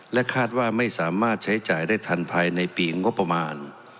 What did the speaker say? คาดว่าไม่สามารถใช้จ่ายได้ทันภายในปีงบประมาณ